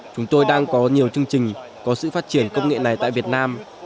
chúng tôi đang có nhiều chương trình có sự phát triển công nghệ này tại việt nam